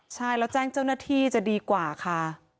ใช่แล้วแจ้งเจ้าหน้าที่จะดีกว่าค่ะ